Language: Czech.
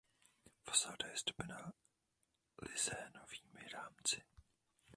Fasáda je zdobena lizénovými rámci.